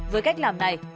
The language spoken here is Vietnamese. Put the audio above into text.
với cách làm này